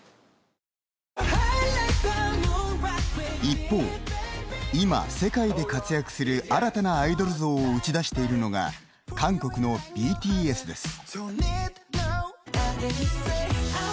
一方、今、世界で活躍する新たなアイドル像を打ち出しているのが韓国のＢＴＳです。